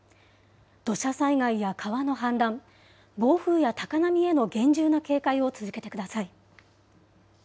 土砂災害や川の氾濫、暴風や高波への厳重な警戒を続けてください。